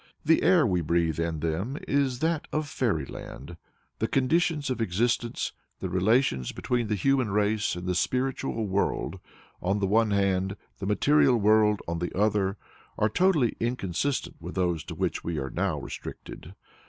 The air we breathe in them is that of Fairy land; the conditions of existence, the relations between the human race and the spiritual world on the one hand, the material world on the other, are totally inconsistent with those to which we are now restricted.